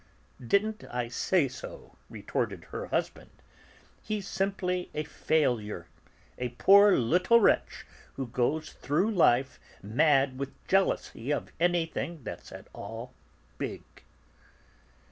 "Didn't I say so?" retorted her husband. "He's simply a failure; a poor little wretch who goes through life mad with jealousy of anything that's at all big."